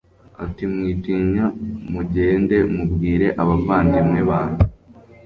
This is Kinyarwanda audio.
ati mwitinya mugende mubwire abavandimwe banjye